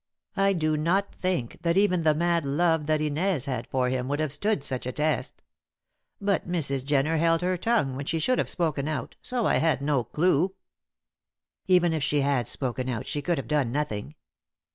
I do not think that even the mad love that Inez had for him would have stood such a test. But Mrs. Jenner held her tongue when she should have spoken out, so I had no clue." "Even if she had spoken out she could have done nothing.